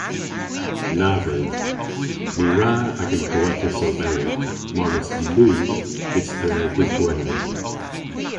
Na vydh. Ny wra agan kowethas oberi marnas dy' Lun bys dhe dh'y Gwener.